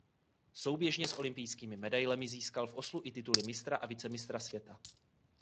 Souběžně s olympijskými medailemi získal v Oslu i tituly mistra a vicemistra světa.